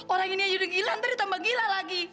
orang ini aja udah gila nanti ditambah gila lagi